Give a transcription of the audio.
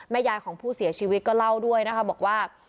ยายของผู้เสียชีวิตก็เล่าด้วยนะคะบอกว่า